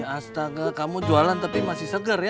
astaga kamu jualan tapi masih seger ya